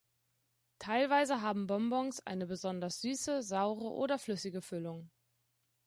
Teilweise haben Bonbons eine besonders süße, saure oder flüssige Füllung.